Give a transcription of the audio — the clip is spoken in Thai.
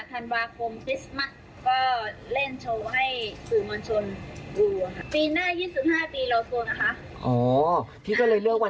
ค่ะค่ะวันทุกวันยี่สิบห้าธันวาคมคริสต์มัสก็เล่นโชว์ให้สื่อมวลชนดู